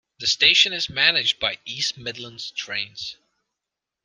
The station is managed by East Midlands Trains.